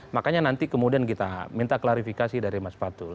makanya nanti kemudian kita minta klarifikasi dari mas fatul